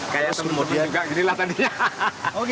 kayak sebelum sebelum juga gini lah tadinya